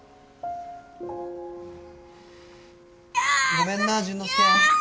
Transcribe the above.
ごめんな淳之介。